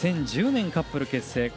２０１０年にカップル結成。